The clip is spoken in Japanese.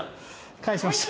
返しました。